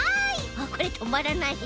あっこれとまらない。